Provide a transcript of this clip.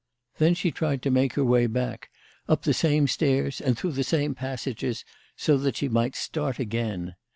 Then she tried to make her way back, up the same stairs and through the same passages, so that she might start again.